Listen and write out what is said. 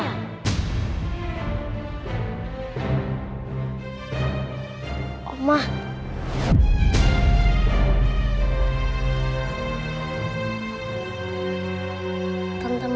walaupunilen k spontan